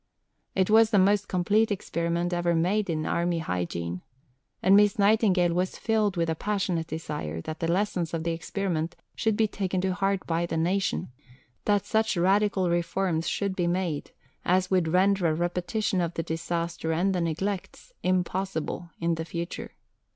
It was the most complete experiment ever made in army hygiene. And Miss Nightingale was filled with a passionate desire that the lessons of the experiment should be taken to heart by the nation; that such radical reforms should be made as would render a repetition of the disaster and the neglects impossible in the future.